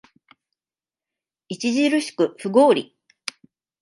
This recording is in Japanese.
著しく不合理